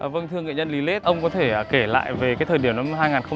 vâng thưa nghệ nhân lý lết ông có thể kể lại về thời điểm năm hai nghìn bảy